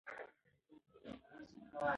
ما د هغې په درنو خبرو کې د وطن د خاورې بوی حس کړ.